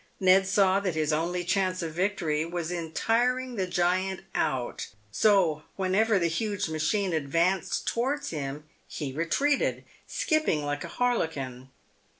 Ned saw that his only chance of victory w r as in tiring the giant out, so whenever the huge machine advanced towards him, he retreated, skipping like a harlequin.